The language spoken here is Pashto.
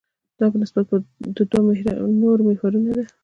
دا په نسبت د دوو نورو محورونو ده.